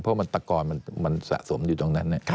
เพราะมันตะกอนมันสะสมอยู่ตรงนั้น